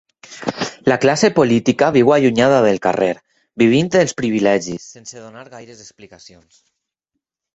La classe política viu allunyada del carrer, vivint dels privilegis sense donar gaires explicacions.